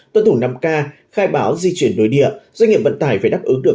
tổ thủ năm k khai báo di chuyển nối địa doanh nghiệp vận tải phải đáp ứng được